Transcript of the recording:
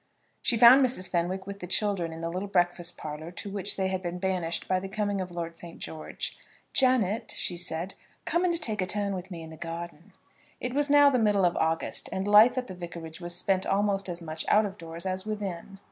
She found Mrs. Fenwick with the children in the little breakfast parlour to which they had been banished by the coming of Lord St. George. "Janet," she said, "come and take a turn with me in the garden." It was now the middle of August, and life at the vicarage was spent almost as much out of doors as within.